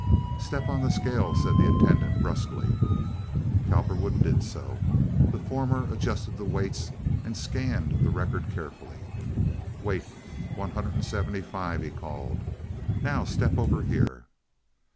"Step on the scale," said the attendant, brusquely. Cowperwood did so, The former adjusted the weights and scanned the record carefully. "Weight, one hundred and seventy five," he called. "Now step over here."